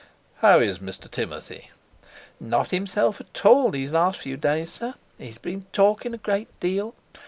"How is Mr. Timothy?" "Not himself at all these last few days, sir; he's been talking a great deal.